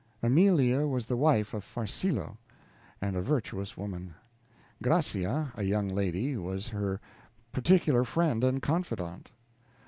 Amelia was the wife of Farcillo, and a virtuous woman; Gracia, a young lady, was her particular friend and confidant.